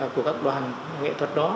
của các đoàn nghệ thuật đó